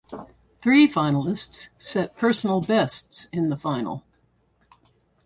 Three finalists set personal bests in the final.